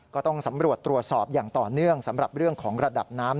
ก็ต้องสำรวจตรวจสอบอย่างต่อเนื่องสำหรับเรื่องของระดับน้ำ